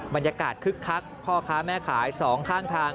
บรรยากาศคึกคักพ่อค้าแม่ขาย๒ข้างทาง